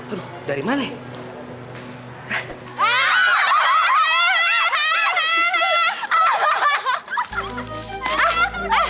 aduh dari mana ya